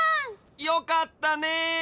よかったね！